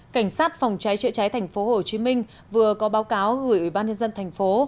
cảnh sát phòng cháy chữa cháy thành phố hồ chí minh vừa có báo cáo gửi ủy ban nhân dân thành phố